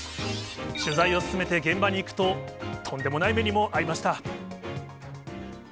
取材を進めて現場に行くと、とんでもない目にも遭いました。